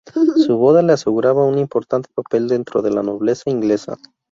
Su boda le aseguraba un importante papel dentro de la nobleza inglesa.